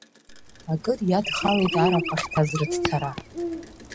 Акыр иадхалеит арахә ахьҭаз, рыҭцара.